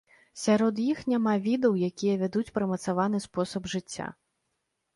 Сярод іх няма відаў, якія вядуць прымацаваны спосаб жыцця.